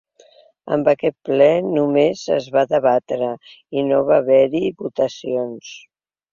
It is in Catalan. En aquest ple només es va debatre i no va haver-hi votacions.